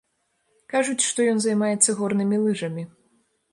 Кажуць, што ён займаецца горнымі лыжамі.